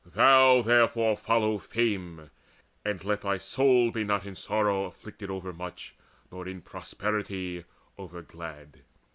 Thou therefore follow fame, and let thy soul Be not in sorrow afflicted overmuch, Nor in prosperity over glad.